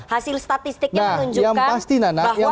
hasil statistik yang menunjukkan